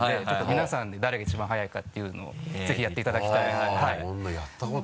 ちょっと皆さんで誰が一番早いかっていうのをぜひやっていただきたいなと。